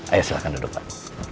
ayo silahkan duduk pak